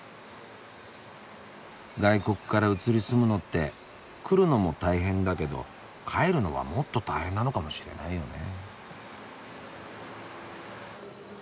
外国から移り住むのって来るのも大変だけど帰るのはもっと大変なのかもしれないよね。